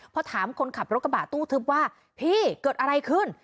พอถามคนขับรถกระบะตู้ทึบว่าพี่เกิดอะไรขึ้น